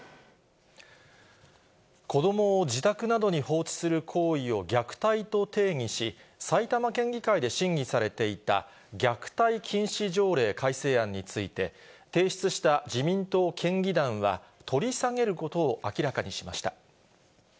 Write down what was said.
子どもを自宅などに放置する行為を虐待と定義し、埼玉県議会で審議されていた虐待禁止条例改正案について、提出した自民党県議団は、取り下げることを明らかにしました。